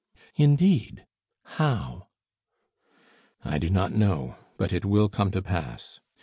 "Indeed; how?" "I do not know; but it will come to pass.